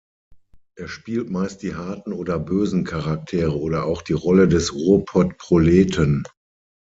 Er spielt meist die harten oder „bösen“ Charaktere oder auch die Rolle des Ruhrpott-Proleten.